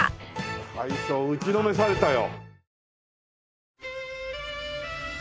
大将打ちのめされたよ。